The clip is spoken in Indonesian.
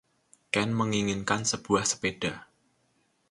Ken menginginkan sebuah sepeda.